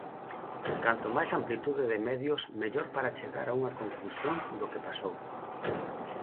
Canto máis amplitude de medios mellor para chegar a unha conclusión do que pasou.